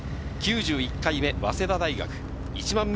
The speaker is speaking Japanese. ９１回目、早稲田大学。